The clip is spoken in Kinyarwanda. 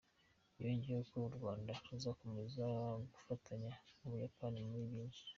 Yongeyeho ko u Rwanda ruzakomeza gufatanya n’u Buyapani muri byinshi.